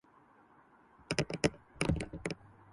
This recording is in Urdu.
جو فکر کی سرعت میں بجلی سے زیادہ تیز